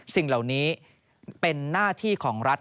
สิ่งเหล่านี้เป็นหน้าที่ของรัฐ